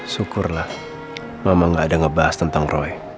syukurlah ngomong gak ada ngebahas tentang roy